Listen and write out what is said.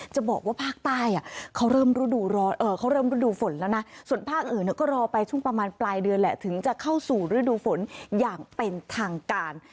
จะบอกว่าภาคใต้เขาเริ่มเขาเริ่มฤดูฝนแล้วนะส่วนภาคอื่นก็รอไปช่วงประมาณปลายเดือนแหละถึงจะเข้าสู่ฤดูฝนอย่างเป็นทางการ